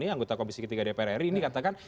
anggota komisi tiga dpr ri ini katakan